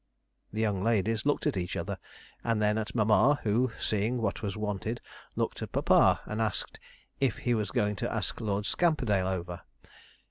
The young ladies looked at each other, and then at mamma, who, seeing what was wanted, looked at papa, and asked, 'if he was going to ask Lord Scamperdale over?'